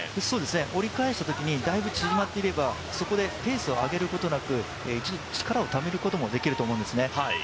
折り返したときにだいぶ縮まっていればそこでペースを上げることなく、一度、力をためることもできると思うんですね。